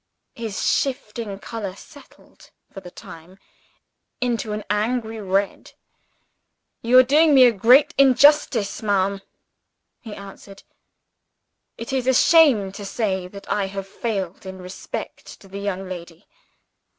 His shifting color settled, for the time, into an angry red. "You are doing me a great injustice, ma'am," he answered. "It is a shame to say that I have failed in respect to the young lady!